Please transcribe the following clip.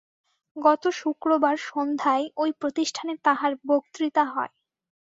গত শুক্রবার সন্ধ্যায় ঐ প্রতিষ্ঠানে তাঁহার বক্তৃতা হয়।